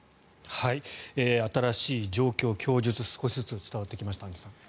新しい状況、供述少しずつ伝わってきました。